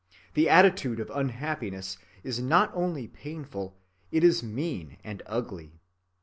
The attitude of unhappiness is not only painful, it is mean and ugly.